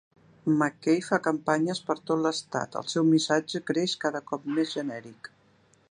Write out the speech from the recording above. McKay fa campanyes per tot l'estat, el seu missatge creix cada cop més genèric.